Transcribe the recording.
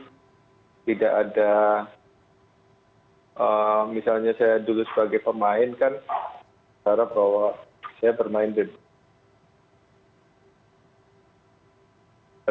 jadi tidak ada misalnya saya dulu sebagai pemain kan saya bermain debu